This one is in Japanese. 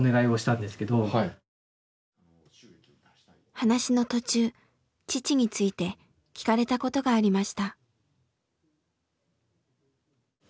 話の途中父について聞かれたことがありました。